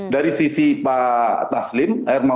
dari sisi pak taslim